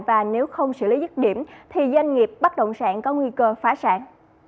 và nếu không xử lý dứt điểm thì doanh nghiệp bất động sản có nguy cơ phá sản